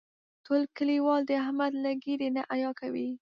ټول کلیوال د احمد له ږیرې نه حیا کوي.